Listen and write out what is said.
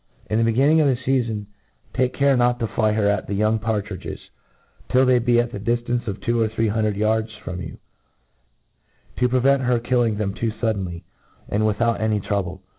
In the beginning of the feafon, take care not to fly her at the young partridges, till they be at the diftance of two or three hundred yards from you, to prevent her killing them too fuddcnly, and without any trouble.